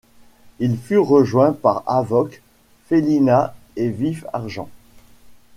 Ils furent rejoints par Havok, Félina et Vif-Argent.